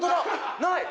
ない。